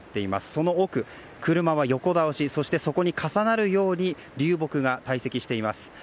その奥、車は横倒しそして、そこに重なるように流木が堆積しています。